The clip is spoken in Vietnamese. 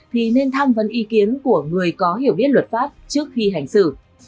thì nên tham vấn ý kiến của người có hiểu biết luật pháp trước khi hành xử